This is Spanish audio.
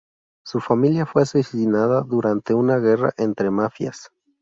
Su familia fue asesinada durante una guerra entre mafias.